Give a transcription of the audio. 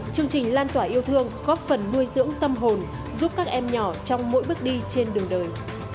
chương trình lan tỏa yêu thương góp phần nuôi dưỡng tâm hồn giúp các em nhỏ trong mỗi bước đi trên đường đời